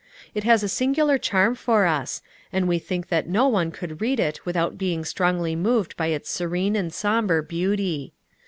It has a singular charm for us, and we think that no one could read it without being strongly moved by its serene and sombre beauty.